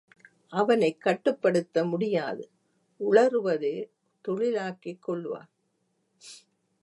அவனைக் கட்டுப்படுத்த முடியாது உளறுவதே தொழிலாக்கிக் கொள்வான்.